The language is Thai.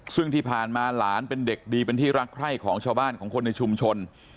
ซึ่งที่ผ่านมาหลานเป็นเด็กดีเป็นที่รักใคร่ของชาวบ้านของคนในชุมชน